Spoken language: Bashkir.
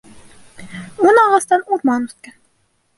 Ун ағастан урман үҫкән.